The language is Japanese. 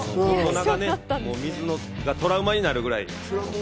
水がトラウマになるくらい。